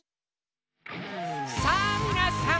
さぁみなさん！